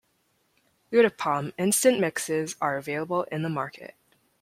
Uttappam instant mixes are available in the market.